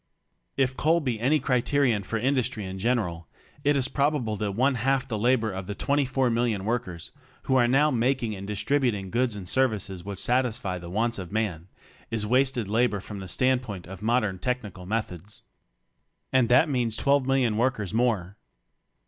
H coal be any criterion for industry in general, it is probable that one half the labor of the twenty four million workers who are now making and distributing goods and services which satisfy the wants of man, is wasted labor from the standpoint of modern technical methods. And that means twelve million workers more.